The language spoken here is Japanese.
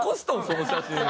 その写真を。